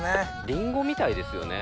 リンゴみたいですよね。